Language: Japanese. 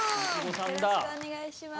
よろしくお願いします。